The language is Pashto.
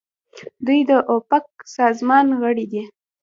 دوی د اوپک سازمان غړي دي.